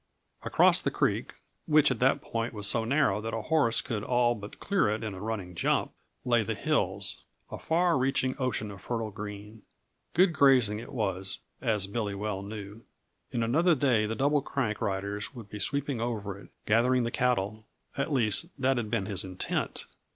Across the creek, which at that point was so narrow that a horse could all but clear it in a running jump, lay the hills, a far reaching ocean of fertile green. Good grazing it was, as Billy well knew. In another day the Double Crank riders would be sweeping over it, gathering the cattle; at least, that had been his intent.